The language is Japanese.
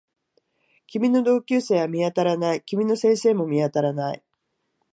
君の同級生は見当たらない。君の先生も見当たらない